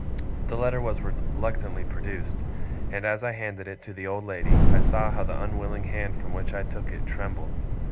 The letter was reluctantly produced; and as I handed it to the old lady, I saw how the unwilling hand from which I took it, trembled.